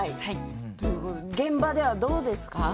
現場ではどうですか？